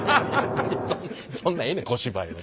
そんなええねん小芝居は。